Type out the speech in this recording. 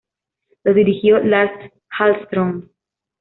Lo dirigió Lasse Hallström.